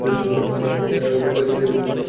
কিন্তু এরা যেমন রোজগার করিতে, তেমনি খরচ করিতে।